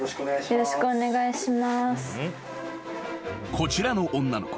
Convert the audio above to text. ［こちらの女の子。